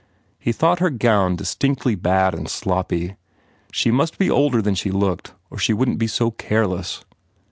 He thought her gown distinctly bad and sloppy. She must be older than she looked or she wouldn t be so careless.